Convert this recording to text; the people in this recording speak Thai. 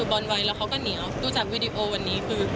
บนไวแล้วเขาก็เหนียวตัวจากวีดีโอวันนี้